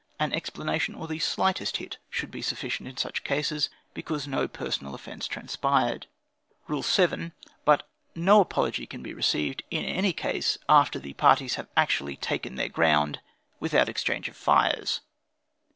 An explanation, or the slightest hit should be sufficient in such cases, because no personal offence transpired. "Rule 7. But no apology can be received, in any case, after the parties have actually taken their ground, without exchange of fires.